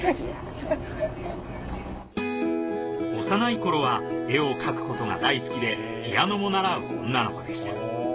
幼い頃は絵を描くことが大好きでピアノも習う女の子でした。